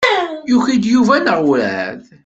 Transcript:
Yuki-d Yuba neɣ werɛad?